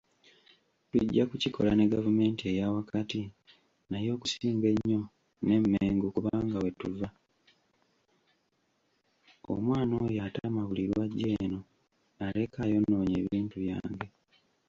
Omwana oyo atama buli lw'ajja eno aleka ayonoonye ebintu byange.